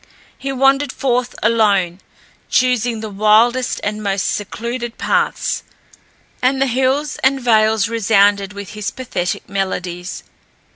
He wandered forth alone, choosing the wildest and most secluded paths, and the hills and vales resounded with his pathetic melodies.